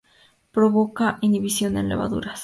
Provoca inhibición en levaduras.